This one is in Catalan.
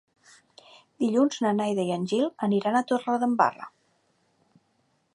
Dilluns na Neida i en Gil aniran a Torredembarra.